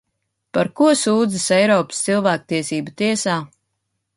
Par ko sūdzas Eiropas cilvēktiesību tiesā?